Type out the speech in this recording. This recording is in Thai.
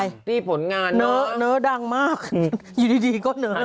อะไรเนาะเนาะดังมากอยู่ดีก็เนาะ